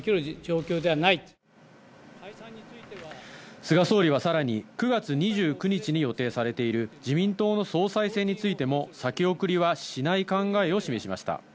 菅総理はさらに９月２９日に予定されている自民党の総裁選についても、先送りはしない考えを示しました。